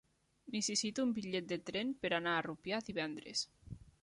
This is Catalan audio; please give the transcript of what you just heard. Necessito un bitllet de tren per anar a Rupià divendres.